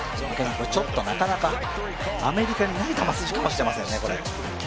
なかなかアメリカにない球筋かもしれまもせんね。